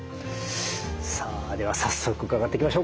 さあでは早速伺っていきましょうか。